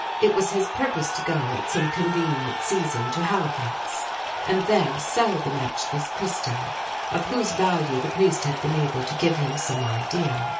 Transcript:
It was his purpose to go, at some convenient season, to Halifax, and there sell the matchless crystal, of whose value the priest had been able to give him some idea.